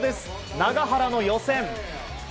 永原の予選。